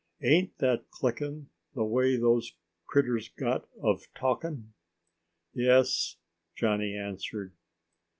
"Ain't that clickin' the way those critters got of talking?" "Yes," Johnny answered.